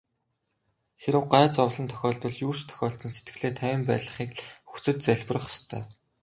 Хэрэв гай зовлон тохиолдвол юу ч тохиолдсон сэтгэлээ тайван байлгахыг л хүсэж залбирах ёстой.